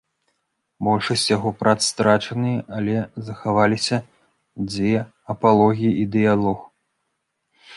Большасць яго прац страчаныя, але захаваліся дзве апалогіі і дыялог.